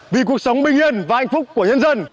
vì cuộc sống bình yên và hạnh phúc của nhân dân